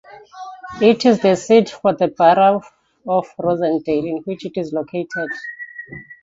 It is the seat for the Borough of Rossendale, in which it is located.